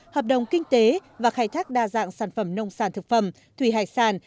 hợp đồng kinh tế và khai thác đa dạng sản phẩm nông sản thực phẩm thủy hải sản